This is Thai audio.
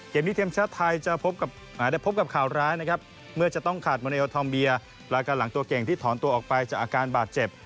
เกมที่ทีมชัดไทยจะพบกับข่าวร้ายนะครับเมื่อจะต้องขาดมนิโยธอมเบียและกันหลังตัวเก่งที่ถอนตัวออกไปจากอาการบาดเจ็บ